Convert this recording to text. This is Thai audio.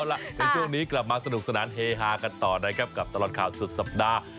เอาล่ะในช่วงนี้กลับมาสนุกสนานเฮฮากันต่อนะครับกับตลอดข่าวสุดสัปดาห์